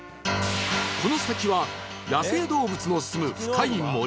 この先は野生動物のすむ深い森の中